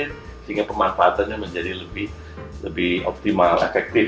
sehingga pemanfaatannya menjadi lebih optimal efektif